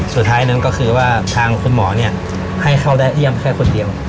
สุดท้ายนั้นก็คือว่าทางคุณหมอเนี่ยให้เขาและเยี่ยมแค่คนเดียว